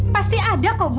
pasti ada kok bu